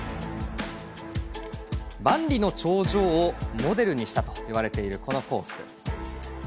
万里の長城をモデルにしたといわれている、このコース。